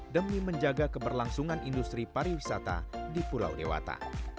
demi menjaga keberlangsungan industri pariwisata di pulau dewata